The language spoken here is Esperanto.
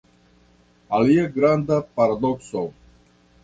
Alia granda paradokso.